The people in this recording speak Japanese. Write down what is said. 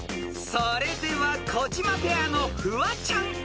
［それでは児嶋ペアのフワちゃん］